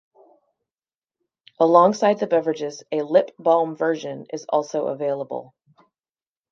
Alongside the beverages, a Lip Balm version is also available.